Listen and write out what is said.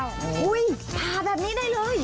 โห้ยฉ้าแบบนี้ได้เลย